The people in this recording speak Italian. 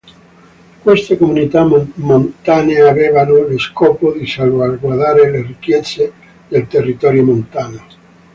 Queste comunità montane avevano lo scopo di salvaguardare le ricchezze del territorio montano.